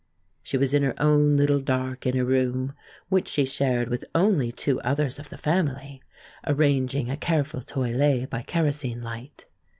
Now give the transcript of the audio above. She was in her own little dark inner room, which she shared with only two others of the family, arranging a careful toilet by kerosene light.